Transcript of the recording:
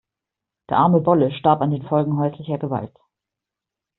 Der arme Bolle starb an den Folgen häuslicher Gewalt.